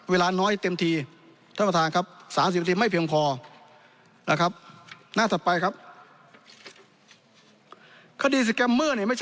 เวลาน้อยเต็มทีท่านประธาน